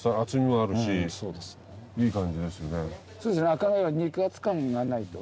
赤貝は肉厚感がないと。